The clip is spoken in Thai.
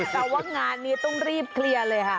แต่ว่างานนี้ต้องรีบเคลียร์เลยค่ะ